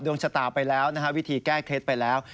ดวงชะตาไปแล้วนะฮะวิธีแก้เคล็ดไปแล้ว